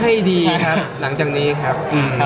ให้ดีครับหลังจากนี้ครับ